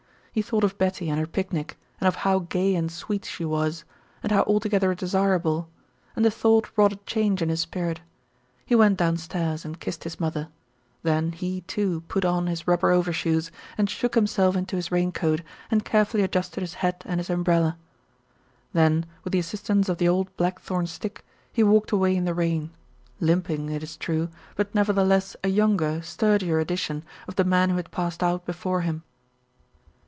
He thought of Betty and her picnic and of how gay and sweet she was, and how altogether desirable, and the thought wrought a change in his spirit. He went downstairs and kissed his mother; then he, too, put on his rubber overshoes and shook himself into his raincoat and carefully adjusted his hat and his umbrella. Then with the assistance of the old blackthorn stick he walked away in the rain, limping, it is true, but nevertheless a younger, sturdier edition of the man who had passed out before him.